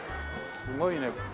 すごいね。